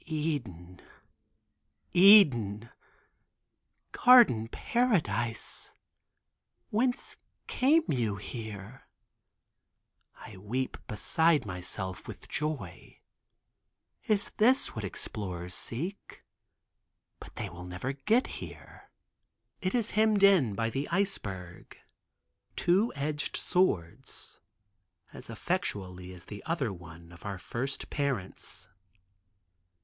"Eden, Eden, garden paradise, whence came you here?" I weep beside myself in joy. Is this what explorers seek? But they will never get here. It is hemmed in by the iceberg, two edged swords, as effectually as the other one of our first parents.